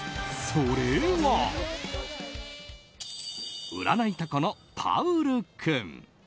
それは占いタコのパウル君。